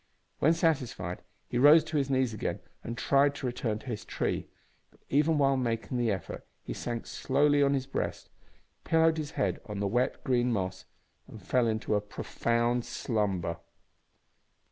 When satisfied he rose to his knees again and tried to return to his tree, but even while making the effort he sank slowly on his breast, pillowed his head on the wet green moss, and fell into a profound slumber.